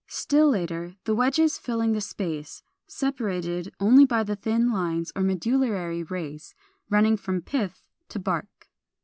Still later, the wedges filling the space, separated only by the thin lines, or medullary rays, running from pith to bark.